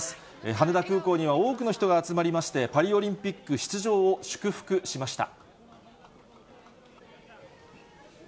羽田空港には多くの人が集まりまして、パリオリンピック出場を祝福しました。